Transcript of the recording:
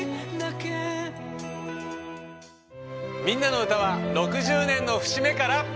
「みんなのうた」は６０年の節目から。